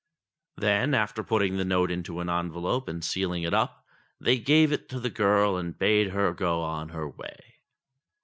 Then, after putting the note into an envelope and sealing it up, they gave it to the girl and bade her go on her way.